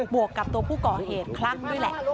วกกับตัวผู้ก่อเหตุคลั่งด้วยแหละ